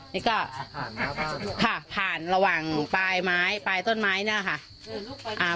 นี่ก็ผ่านค่ะผ่านระหว่างปลายไม้ปลายต้นไม้เนี่ยค่ะอ่า